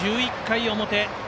１１回表。